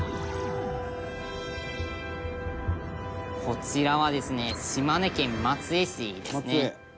「こちらはですね島根県松江市ですね」